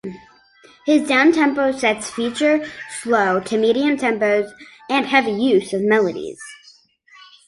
His downtempo sets feature slow to medium tempos and heavy use of melodies.